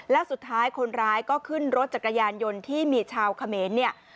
แล้วสุดท้ายคนร้ายก็ขึ้นรถจักรยานยนต์ที่มีชาวเขมรเนี่ย